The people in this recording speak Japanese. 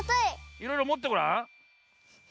いろいろもってごらん。